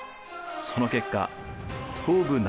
その結果東部内